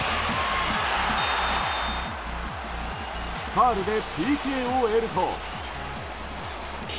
ファウルでＰＫを得ると。